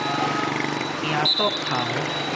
廳桌頭